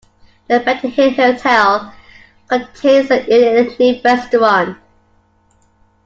The Bettyhill Hotel contains the Eilean Neave restaurant.